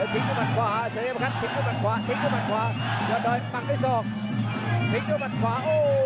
ทิ้งด้วยมัดขวาสัยกระพรรคัททิ้งด้วยมัดขวาทิ้งด้วยมัดขวา